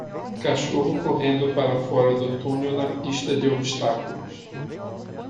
Cachorro correndo para fora do túnel na pista de obstáculos